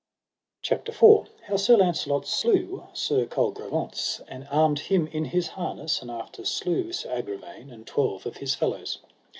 CHAPTER IV. How Sir Launcelot slew Sir Colgrevance, and armed him in his harness, and after slew Sir Agravaine, and twelve of his fellows.